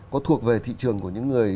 có thuộc về thị trường của những người